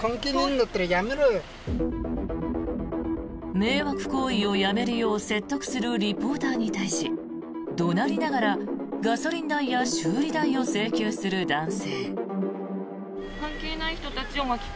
迷惑行為をやめるよう説得するリポーターに対し怒鳴りながらガソリン代や修理代を請求する男性。